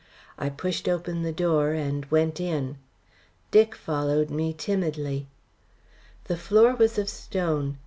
I pushed open the door and went in. Dick followed me timidly. The floor was of stone.